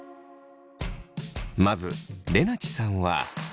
まずれなちさんは。